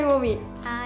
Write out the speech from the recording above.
はい。